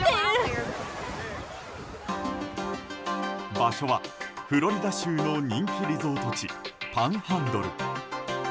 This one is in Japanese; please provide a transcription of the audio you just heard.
場所はフロリダ州の人気リゾート地パンハンドル。